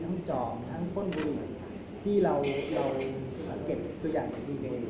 ทั้งจอมทั้งข้นบุหรี่ที่เราเก็บตัวอย่างจากดีเนย